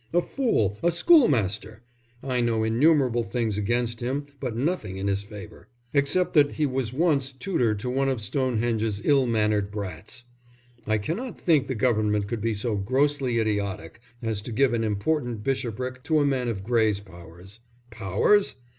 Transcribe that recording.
A fool, a school master! I know innumerable things against him but nothing in his favour except that he was once tutor to one of Stonehenge's ill mannered brats. I cannot think the Government could be so grossly idiotic as to give an important bishopric to a man of Gray's powers. Powers?